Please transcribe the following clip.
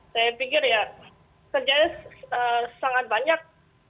saya pikir ya kerjanya sangat banyak